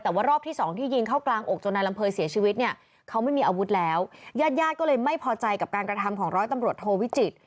แต่ว่ารอบที่สองที่ยิงเข้ากลางอกจนนายลำเภยเสียชีวิตเนี่ยเขาไม่มีอาวุธแล้วญาติญาติก็เลยไม่พอใจกับการกระทำของร้อยตำรวจโทวิจิตร